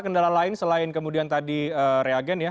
kendala lain selain kemudian tadi reagen ya